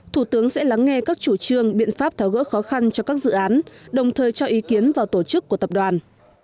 thủ tướng sẽ lắng nghe các chủ trương biện pháp tháo gỡ khó khăn cho các dự án đồng thời cho ý kiến vào tổ chức của tập đoàn